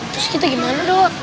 terus kita gimana dong